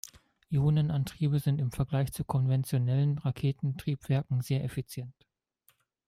Ionenantriebe sind im Vergleich zu konventionellen Raketentriebwerken sehr effizient.